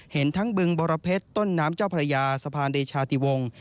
เห็นทั้งบึงบรเพชรต้นน้ำเจ้าพระยาสะพานเดชาติวงศ์